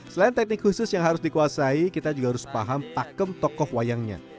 selain teknik khusus yang harus dikuasai kita juga harus paham pakem tokoh wayangnya